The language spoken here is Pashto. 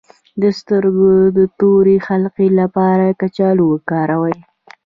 د سترګو د تورې حلقې لپاره کچالو وکاروئ